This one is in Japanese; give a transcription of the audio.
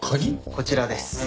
こちらです。